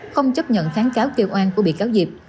không chấp nhận kháng cáo kêu oan của bị cáo diệp